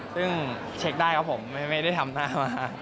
ซึ่งเช็คได้ครับผมไม่ได้ทำหน้ามา